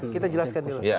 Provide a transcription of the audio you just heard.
kita jelaskan dulu